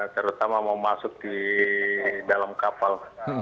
terutama mau masuk di dalam kapal